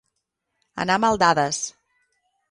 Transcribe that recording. Anar mal dades.